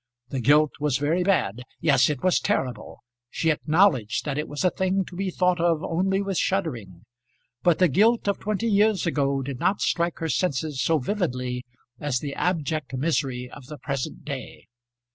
The guilt was very bad; yes, it was terrible; she acknowledged that it was a thing to be thought of only with shuddering. But the guilt of twenty years ago did not strike her senses so vividly as the abject misery of the present day.